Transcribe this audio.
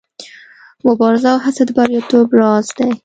مبارزه او هڅه د بریالیتوب راز دی.